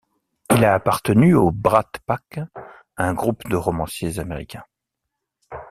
Il a appartenu au Brat Pack, un groupe de romanciers américains.